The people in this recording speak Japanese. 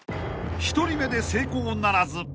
［１人目で成功ならず。